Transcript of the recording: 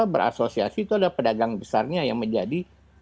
berasosiasi itu ada pedagang besarnya yang menjadi